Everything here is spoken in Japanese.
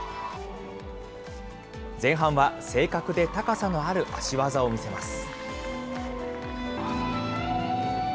前半は正確で高さのある足技を見せます。